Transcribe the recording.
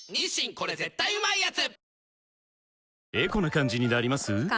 これ絶対うまいやつ」